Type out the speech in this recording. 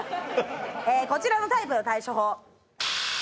こちらのタイプの対処法。